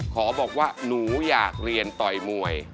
ขอบอกว่าหนูอยากเรียนต่อยมวย